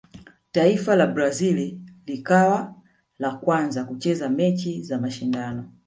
taifa la brazil lilikawa la kwanza kucheza mechi za mashindano